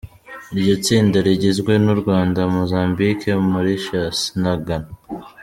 Iryo tsinda rigizwe n’u Rwanda, Mozambique, Mauritius na Ghana.